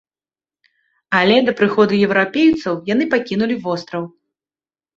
Але да прыходу еўрапейцаў яны пакінулі востраў.